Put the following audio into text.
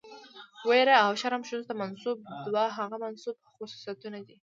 ويره او شرم ښځو ته منسوب دوه هغه منسوب خصوصيتونه دي،